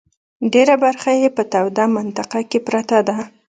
ډېره برخه یې په توده منطقه کې پرته ده.